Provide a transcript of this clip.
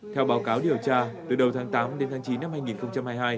theo báo cáo điều tra từ đầu tháng tám đến tháng chín năm hai nghìn hai mươi hai